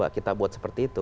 kita buat seperti itu